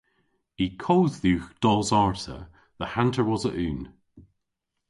Y kodh dhywgh dos arta dhe hanter wosa unn.